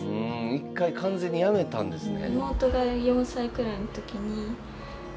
１回完全にやめたんですね。